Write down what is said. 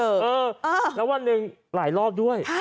เออแล้ววันหนึ่งหลายรอบด้วย